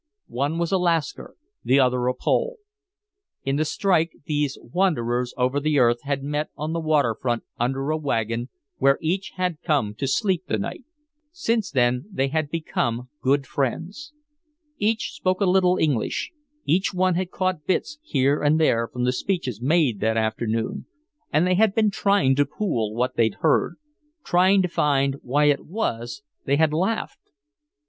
One was a Lascar, the other a Pole. In the strike these wanderers over the earth had met on the waterfront under a wagon where each had come to sleep the night. Since then they had become good friends. Each spoke a little English, each one had caught bits here and there from the speeches made that afternoon and they had been trying to pool what they'd heard, trying to find why it was they had laughed.